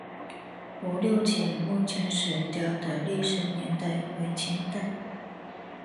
吴六奇墓前石雕的历史年代为清代。